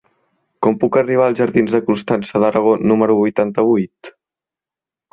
Com puc arribar als jardins de Constança d'Aragó número vuitanta-vuit?